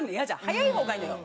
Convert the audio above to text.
早い方がいいのよ。